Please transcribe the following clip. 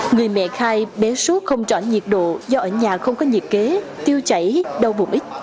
người mẹ khai bé suốt không rõ nhiệt độ do ở nhà không có nhiệt kế tiêu chảy đau bụng ít